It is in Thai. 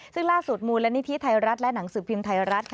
ซึ่งล่าสุดมูลนิธิไทยรัฐและหนังสือพิมพ์ไทยรัฐ